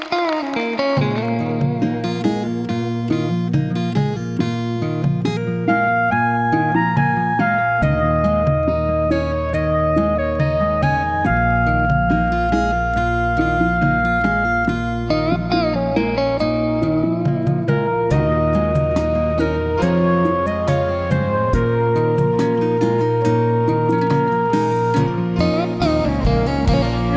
ขอบคุณครับ